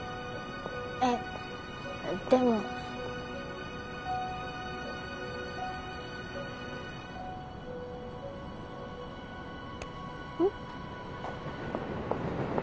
えっでもうん？